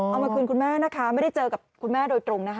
เอามาคืนคุณแม่นะคะไม่ได้เจอกับคุณแม่โดยตรงนะคะ